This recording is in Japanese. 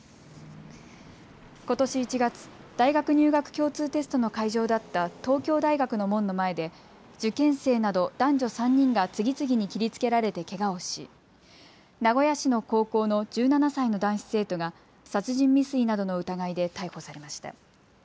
ことし１月、大学入学共通テストの会場だった東京大学の門の前で受験生など男女３人が次々に切りつけられてけがをし名古屋市の高校の１７歳の男子生徒が殺人未遂などの疑いで逮捕されました。